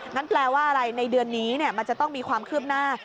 แปลว่าอะไรในเดือนนี้มันจะต้องมีความคืบหน้า